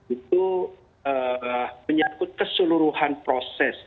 itu menyakut keseluruhan proses